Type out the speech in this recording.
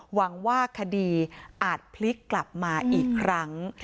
หวังว่าคดีอาจพลิกกลับมาอีกครั้ง